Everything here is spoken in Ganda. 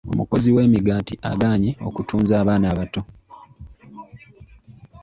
Omukozi w'emigaati agaanye okutunza abaana abato.